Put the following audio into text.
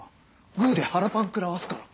グで腹パン食らわすからな。